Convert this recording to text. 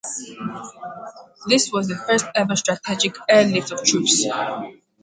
This was the first-ever strategic airlift of troops.